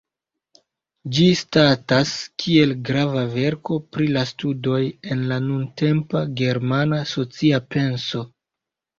Ĝi statas kiel grava verko pri la studoj en la nuntempa germana socia penso.